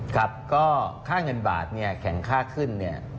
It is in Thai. ครับก็ค่าเงินบาทเนี่ยแข็งค่าขึ้นเนี่ย